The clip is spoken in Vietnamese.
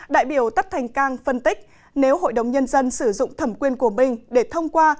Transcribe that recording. đại biểu tất thành cang phân tích nếu hội đồng nhân dân sử dụng thẩm quyền của mình để thông qua